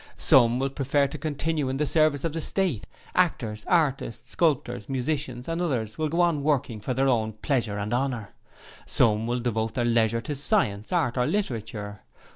'Some will prefer to continue in the service of the State. Actors, artists, sculptors, musicians and others will go on working for their own pleasure and honour... Some will devote their leisure to science, art, or literature.